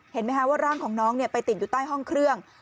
เห็นไหมคะว่าร่างของน้องไปติดอยู่ใต้ห้องเครื่อง